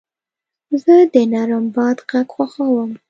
زه د نرم باد غږ خوښوم.